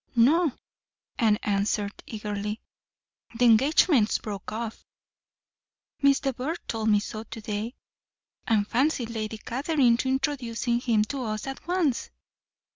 "No," Anne answered eagerly, "the engagement's broke off. Miss de Bourgh told me so to day. And fancy Lady Catherine introducing him to us at once!